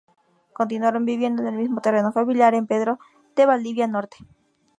Continuaron viviendo en el mismo terreno familiar en Pedro de Valdivia Norte.